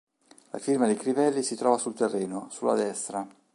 La firma di Crivelli si trova sul terreno, sulla destra.